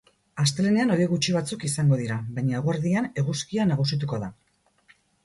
Astelehenean hodei gutxi batzuk izango dira, baina eguerdian eguzkia nagusituko da.